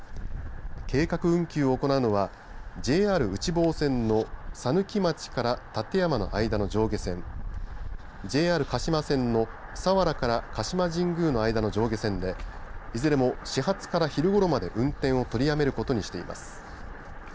計画運休を行うのはＪＲ内房線の佐貫町から館山の間の上下線ＪＲ鹿島線の佐原から鹿島神宮の間の上下線でいずれも始発から昼ごろまで運転を取りやめることにしています。